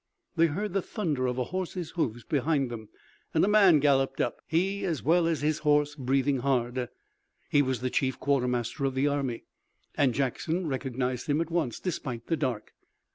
They heard the thunder of a horse's hoofs behind them, and a man galloped up, he as well as his horse breathing hard. He was the chief quartermaster of the army, and Jackson recognized him at once, despite the dark.